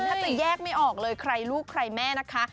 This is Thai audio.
แทบจะแยกไม่ออกเลยใครลูกใครแม่นะคะ